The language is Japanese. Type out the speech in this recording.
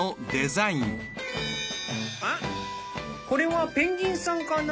あっこれはペンギンさんかな？